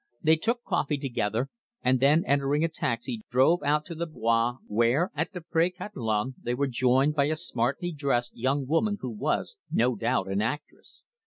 They took coffee together, and then entering a taxi drove out to the Bois, where at the Pré Catelan they were joined by a smartly dressed young woman who was, no doubt, an actress.